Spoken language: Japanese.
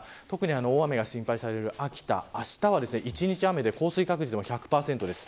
大雨が心配される秋田、あしたは一日雨で降水確率は１００％です。